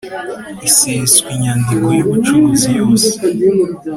iseswa inyandiko y ubucuruzi yose